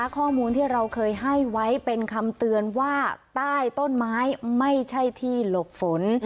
ข้อมูลที่เราเคยให้ไว้เป็นคำเตือนว่าใต้ต้นไม้ไม่ใช่ที่หลบฝน